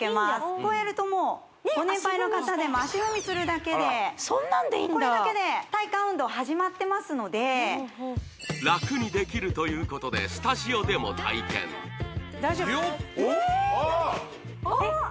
こうやるともうご年配の方でも足踏みするだけでそんなんでいいんだこれだけで体幹運動始まってますので楽にできるということでスタジオでも体験大丈夫？